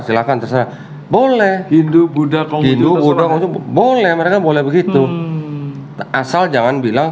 bahkan terserah boleh hindu buddha hindu buddha untuk boleh mereka boleh begitu asal jangan bilang